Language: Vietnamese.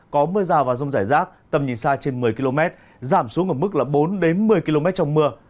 có mưa rào và rông rải rác tầm nhìn xa trên một mươi km giảm xuống ở mức là bốn đến một mươi km trong mưa